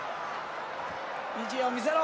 意地を見せろ。